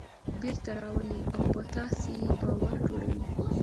بېرته راولي او په تاسې یې باور جوړوي.